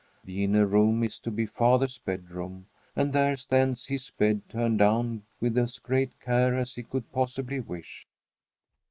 The inner room is to be father's bedroom, and there stands his bed, turned down with as great care as he could possibly wish.